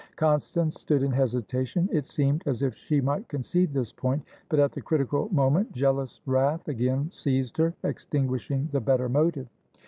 Constance stood in hesitation. It seemed as if she might concede this point, but at the critical moment jealous wrath again seized her, extinguishing the better motive.